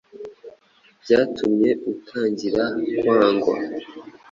byatumye utangira kwangwa